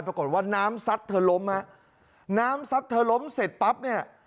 ปรากฏว่าน้ำซัดเธอล้มฮะน้ำซัดเธอล้มเสร็จปั๊บเนี่ย